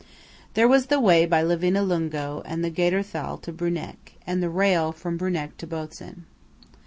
There was the way by Livinallungo and the Gader Thal to Bruneck, and the rail, from Bruneck to Botzen.